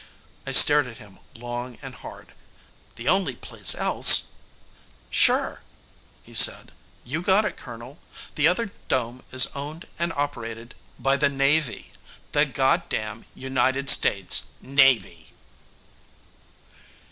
I stared at him long and hard. "The only place else " "Sure," he said. "You got it, Colonel. The other dome is owned and operated by the Navy. The goddam United States Navy!"